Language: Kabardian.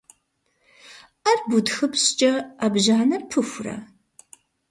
Ӏэр бутхыпщӀкӀэ, Ӏэбжьанэр пыхурэ?